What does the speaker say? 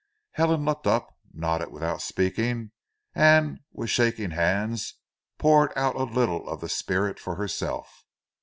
Helen looked up, nodded without speaking, and with shaking hands poured out a little of the spirit for herself.